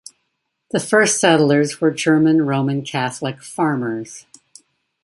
The first settlers were German Roman Catholic farmers.